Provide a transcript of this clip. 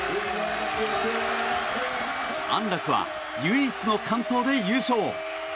安楽は、唯一の完登で優勝。